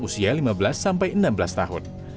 usia lima belas sampai enam belas tahun